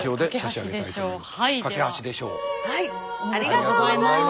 ありがとうございます。